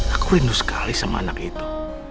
aku rindu sekali sama anak itu